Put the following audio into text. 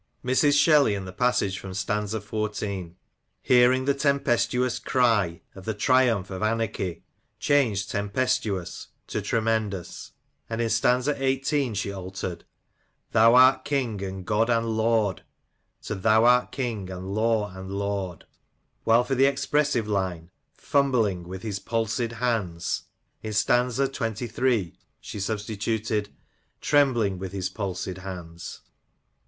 Mrs. Shelley, in the passage from stanza xiv., Hearing the tempestuous cry Of the triumph of Anarchy " changed tempestuous to tremendous ; and in stanza xviii. she altered " Thou art King, and God, and Lord ;" to " Thou art King, and Law, and Lord," v/hile for the expressive line " Fumbling with his palsied hands I " i8 SHELLEY, '' PETERIOO," AND in stanza xxiii. she substituted —*' Trembling with his palsied hands